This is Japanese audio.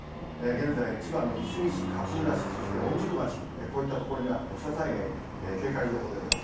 現在、千葉のいすみ市、勝浦市、そして御宿町、こういった所には土砂災害警戒情報出ています。